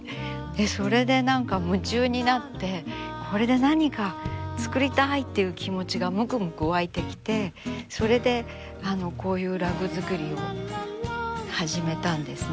それで何か夢中になってこれで何か作りたいっていう気持ちがむくむく湧いてきてそれでこういうラグ作りを始めたんですね。